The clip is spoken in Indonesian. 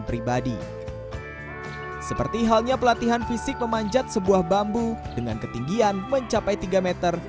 pribadi seperti halnya pelatihan fisik memanjat sebuah bambu dengan ketinggian mencapai tiga meter